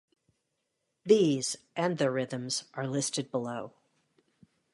These, and their rhythms, are listed below.